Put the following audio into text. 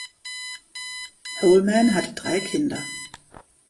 Holman hatte drei Kinder.